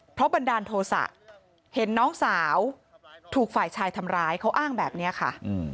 เพราะบันดาลโทษะเห็นน้องสาวถูกฝ่ายชายทำร้ายเขาอ้างแบบนี้ค่ะ